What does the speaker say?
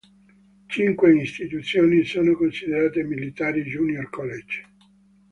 Cinque istituzioni sono considerate Military Junior College.